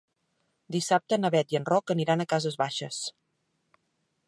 Dissabte na Beth i en Roc aniran a Cases Baixes.